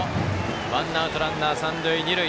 ワンアウト、ランナー、三塁二塁。